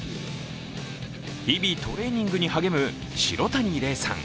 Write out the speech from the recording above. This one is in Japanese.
日々トレーニングに励む城谷怜さん